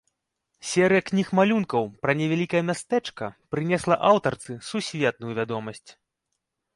Серыя кніг-малюнкаў пра невялікае мястэчка прынесла аўтарцы сусветную вядомасць.